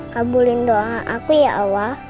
kabulin doa aku ya allah